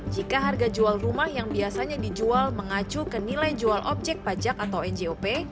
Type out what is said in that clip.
jika harga jual rumah yang biasanya dijual mengacu ke nilai jual objek pajak atau njop